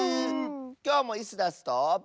きょうもイスダスと。